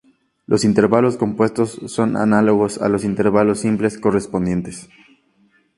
Los intervalos compuestos son análogos a los intervalos simples correspondientes.